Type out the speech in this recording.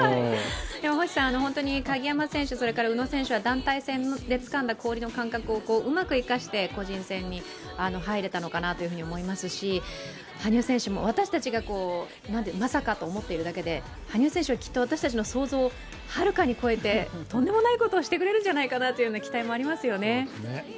でも星さん、鍵山選手、宇野選手は団体戦でつかんだ氷の感覚をうまく生かして、個人戦に入れたのかなと思いますし羽生選手も、私たちがまさかと思っているだけで羽生選手はきっと私たちの想像をはるかに超えてとんでもないことをしてくれるんじゃないかと期待もありますね。